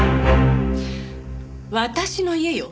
私の家よ。